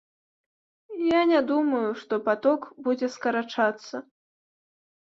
Я не думаю, што паток будзе скарачацца.